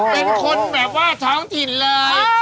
เป็นคนแบบว่าท้องถิ่นเลย